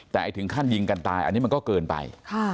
แต่ถึงขั้นยิงกันตายอันนี้มันก็เกินไป